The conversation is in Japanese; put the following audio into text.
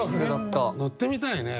乗ってみたいね。